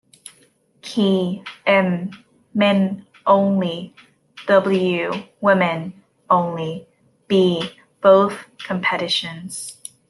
Key: M - Men only; W - Women only; B - Both competitions.